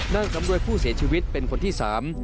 นางสำรวยผู้เสียชีวิตเป็นคนที่สาม